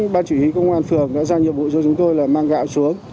ban chủ yếu công an phường đã ra nhiệm vụ cho chúng tôi là mang gạo xuống